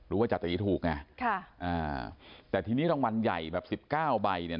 รู้ว่าจาตีถูกไงแต่ทีนี้รางวัลใหญ่๑๙ใบ๑๑๔ล้าน